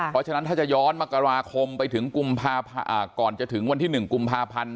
เพราะฉะนั้นถ้าจะย้อนมกราคมไปถึงกุมภาพอ่าก่อนจะถึงวันที่หนึ่งกุมภาพันธุ์